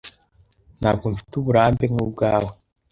Ntabwo mfite uburambe nkubwawe